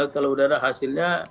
kalau udah ada hasilnya